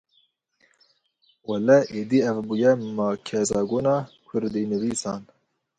Wele êdî ev bûye makezagona kurdînivîsan.